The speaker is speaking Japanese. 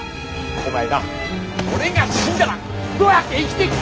お前な俺が死んだらどうやって生きていくつもりなんだ！